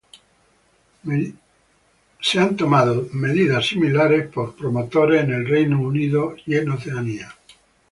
Medidas similares han sido tomadas por promotores en el Reino Unido y Oceanía.